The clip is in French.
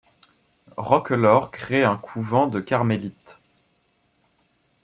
Roquelaure crée un couvent de Carmélites.